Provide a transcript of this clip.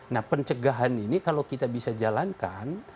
nah pencegahan ini kalau kita bisa jalankan